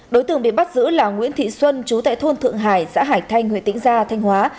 đối tượng bị bắt giữ là nguyễn thị xuân trú tại thôn thượng hải xã hải thay nguyễn tĩnh gia thanh hóa